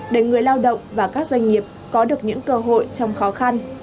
để người lao động và các doanh nghiệp có được những cơ hội trong khó khăn